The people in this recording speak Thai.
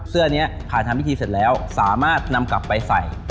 เสื้อนี้ผ่านทำพิธีเสร็จแล้วสามารถนำกลับไปใส่